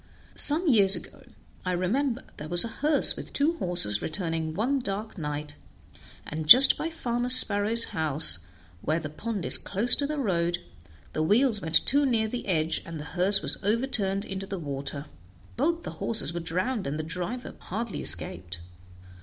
Some years ago, I remember, there was a hearse with two horses returning one dark night, and just by Farmer Sparrow's house, where the pond is close to the road, the wheels went too near the edge, and the hearse was overturned into the water; both the horses were drowned, and the driver hardly escaped.